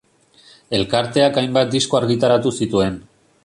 Elkarteak hainbat disko argitaratu zituen.